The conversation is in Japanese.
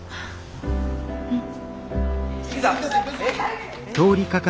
うん。